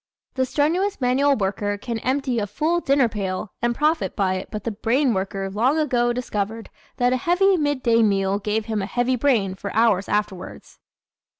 The strenuous manual worker can empty a full dinner pail and profit by it but the brain worker long ago discovered that a heavy midday meal gave him a heavy brain for hours afterwards.